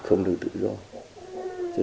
không được tự do